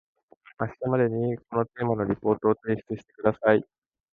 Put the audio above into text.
明日までにこのテーマのリポートを提出してください